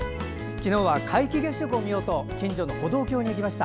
昨日は皆既月食を見ようと近所の歩道橋に行きました。